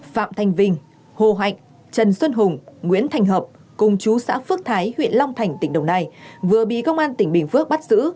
phạm thanh vinh hồ hạnh trần xuân hùng nguyễn thành hợp cùng chú xã phước thái huyện long thành tỉnh đồng nai vừa bị công an tỉnh bình phước bắt giữ